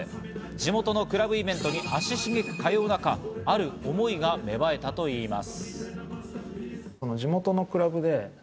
地元のクラブイベントに足しげく通う中、ある思いが芽生えたといいます。